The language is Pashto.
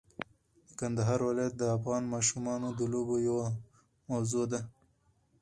د کندهار ولایت د افغان ماشومانو د لوبو یوه موضوع ده.